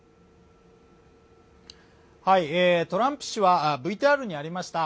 トランプ氏はＶＴＲにありました